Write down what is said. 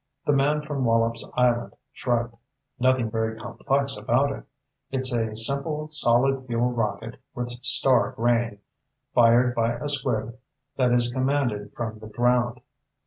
The man from Wallops Island shrugged. "Nothing very complex about it. It's a simple solid fuel rocket with star grain, fired by a squib that is commanded from the ground.